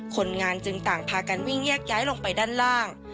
คนงานจึงต่างพากันวิ่งแยกย้ายลงไปด้านล่าง